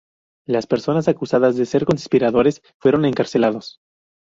Las personas acusadas de ser co-conspiradores fueron encarcelados.